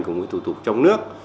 cùng với thủ tục trong nước